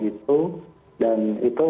itu dan itu